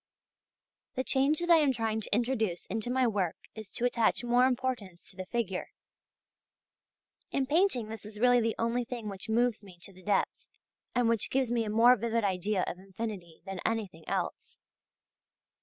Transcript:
The change that I am trying to introduce into my work is to attach more importance to the figure. In painting this is really the only thing which moves me to the depths, and which gives me a more vivid idea of infinity than anything else.